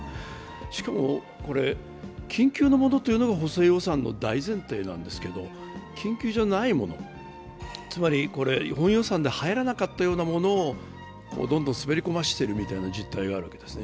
しかも、緊急のものというのが補正予算の大前提なんですけれども、緊急じゃないもの、つまり本予算で入らなかったようなものをどんどん滑り込ませているような実態があるんですね。